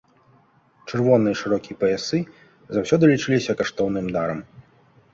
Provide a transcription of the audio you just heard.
Чырвоныя шырокія паясы заўсёды лічыліся каштоўным дарам.